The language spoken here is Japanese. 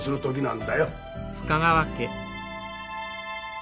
ん？